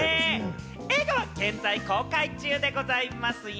映画は現在公開中でございますよ。